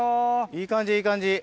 いい感じいい感じ。